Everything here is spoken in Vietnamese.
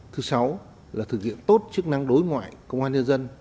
thứ sáu là thực hiện tốt chức năng đối ngoại công an nhân dân